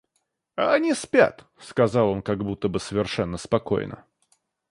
— А они спят, — сказал он как будто бы совершенно спокойно.